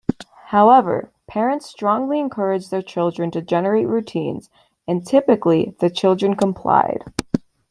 However, parents strongly encouraged their children to generate routines and, typically, the children complied.